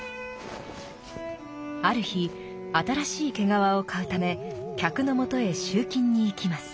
ある日新しい毛皮を買うため客のもとへ集金に行きます。